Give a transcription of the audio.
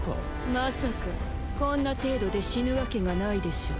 まさかこんな程度で死ぬわけがないでしょう。